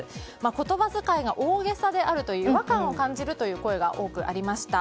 言葉遣いが大げさであると違和感を感じるという声が多くありました。